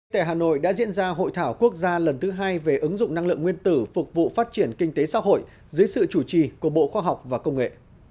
tại hà nội đã diễn ra hội thảo quốc gia lần thứ hai về ứng dụng năng lượng nguyên tử phục vụ phát triển kinh tế xã hội dưới sự chủ trì của bộ khoa học và công nghệ